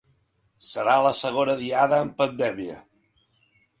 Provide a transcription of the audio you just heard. Serà la segona diada amb pandèmia.